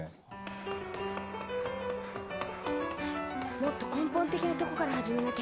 もっと根本的なところから始めなきゃ。